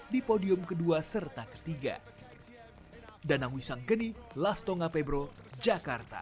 di podium kedua serta ketiga